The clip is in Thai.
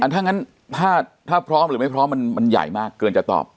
ถ้างั้นถ้าพร้อมหรือไม่พร้อมมันใหญ่มากเกินจะตอบ